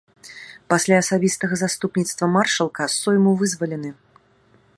Пасля асабістага заступніцтва маршалка сойму вызвалены.